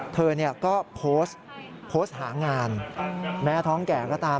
เธอก็โพสต์โพสต์หางานแม้ท้องแก่ก็ตาม